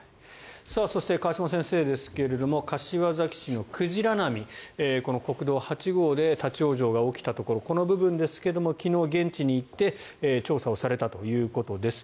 そして河島先生ですが柏崎市の鯨波国道８号で立ち往生が起きたところこの部分ですが昨日、現地に行って調査をされたということです。